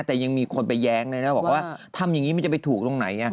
แต่ยังมีคนไปแย้งเลยนะบอกว่าทำอย่างนี้มันจะไปถูกตรงไหน